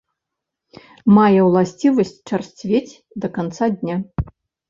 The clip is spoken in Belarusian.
Мае ўласцівасць чарсцвець да канца дня.